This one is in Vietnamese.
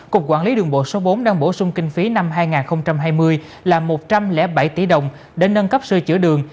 cục quản lý đường bộ số bốn đang bổ sung kinh phí năm hai nghìn hai mươi là một trăm linh bảy tỷ đồng để nâng cấp sơ chữ đường